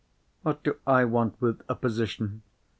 What do I want with a position?